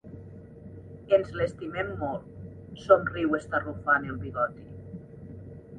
Ens l'estimem molt —somriu estarrufant el bigoti—.